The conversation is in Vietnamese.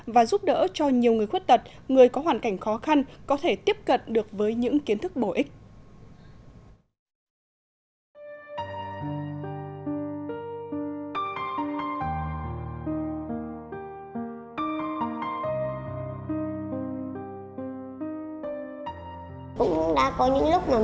và giúp đỡ cho nhiều người khuất tật người có hoàn cảnh khó khăn có thể tiếp cận được với những kiến thức bổ ích